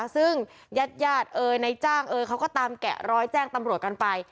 ซึ่งยาดนายจ้างเขาก็ตามแกะร้อยแจ้งตำรวจกันไป